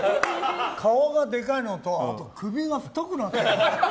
顔がでかいのとあと、首が太くなった。